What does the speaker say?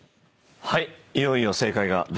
はい。